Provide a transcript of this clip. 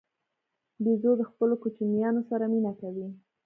بیزو د خپلو کوچنیانو سره مینه کوي.